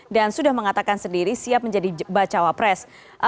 dan sudah mengatakan sendiri siap menjadi bacawa pres